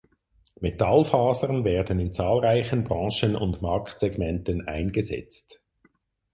Metallfasern werden in zahlreichen Branchen und Marktsegmenten eingesetzt.